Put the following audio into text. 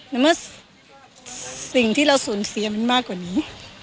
ในเมื่อสิ่งที่เราสูญเสียมันมากกว่านี้